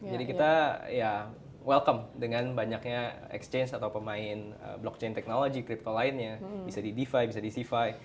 jadi kita ya welcome dengan banyaknya exchange atau pemain blockchain technology crypto lainnya bisa di defi bisa di cefi